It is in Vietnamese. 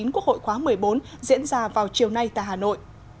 quốc hội khóa một mươi bốn diễn ra vào chiều nay tại hà nội